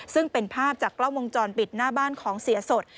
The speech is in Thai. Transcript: ซึ่งเป็นภาพจากกล้องวงจรปิดหน้าบ้านของเสียสด